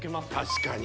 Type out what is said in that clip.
確かに。